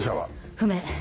不明。